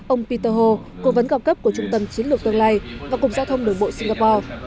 ông peter ho cố vấn cao cấp của trung tâm chiến lược tương lai và cục giao thông đường bộ singapore